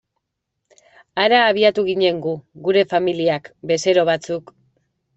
Hara abiatu ginen gu, gure familiak, bezero batzuk...